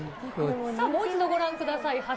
さあ、もう一度ご覧ください。